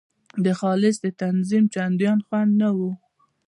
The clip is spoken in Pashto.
د خالص د تنظیم چندان خوند نه وو.